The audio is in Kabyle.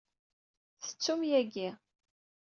Tettum yagi.